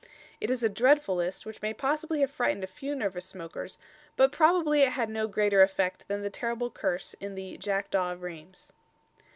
It is a dreadful list which may possibly have frightened a few nervous smokers; but probably it had no greater effect than the terrible curse in the "Jackdaw of Rheims."